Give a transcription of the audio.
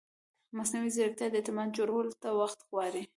مصنوعي ځیرکتیا د اعتماد جوړولو ته وخت غواړي.